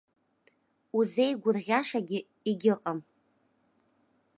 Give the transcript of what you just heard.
Узеигәырӷьашагьы егьыҟам!